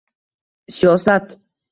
Siyosat